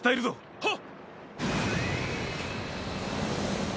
はっ！